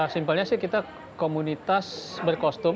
simpelnya sih kita komunitas berkostum